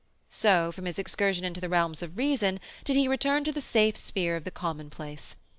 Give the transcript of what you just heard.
So, from his excursion into the realms of reason did he return to the safe sphere of the commonplace.